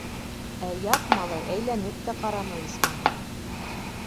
Ә ят малай әйләнеп тә ҡарамай, исмаһам.